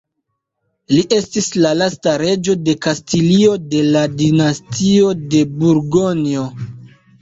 Li estis la lasta reĝo de Kastilio de la Dinastio de Burgonjo.